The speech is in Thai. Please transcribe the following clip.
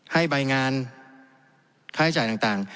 ให้ใบงานค่าใช้จ่ายต่าง